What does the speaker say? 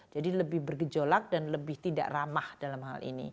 jadi lebih bergejolak dan lebih tidak ramah dalam hal ini